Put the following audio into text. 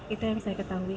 itu yang saya ketahuikan